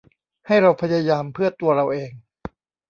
ให้เราพยายามเพื่อตัวเราเอง